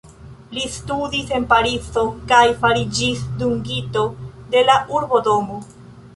Li studis en Parizo kaj fariĝis dungito de la Urbodomo.